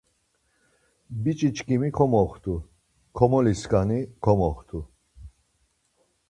Biç̌i çkimi komoxtu, komoli skani komoxtu.